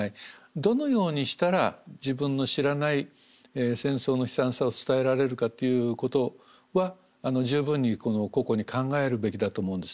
どのようにしたら自分の知らない戦争の悲惨さを伝えられるかということは十分に個々に考えるべきだと思うんです。